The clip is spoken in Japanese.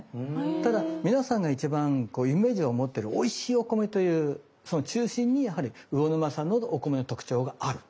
ただ皆さんが一番イメージを持ってるおいしいお米というその中心にやはり魚沼産のお米の特徴がある。